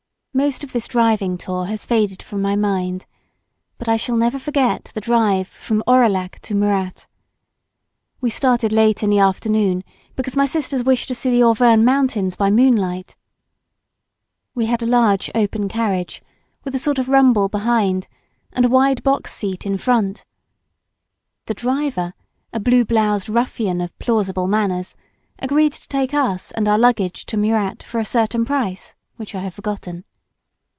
Most of this driving tour has faded from my mind, but I shall never forget the drive from Aurillac to Murat. We started late in the afternoon, because my sisters wished to see the Auvergnes mountains by moonlight. We had a large open carriage, with a sort of rumble behind and a wide box seat in front. The driver, a blue bloused ruffian of plausible manners, agreed to take us and our luggage to Murat for a certain price, which I have forgotten.